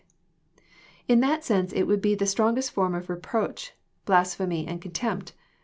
In that sense it would be the strongest form of reproach, blasphemy, and contempt.